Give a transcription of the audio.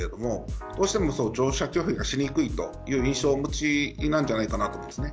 どうしても乗車拒否がしにくいという印象をお持ちだと思います。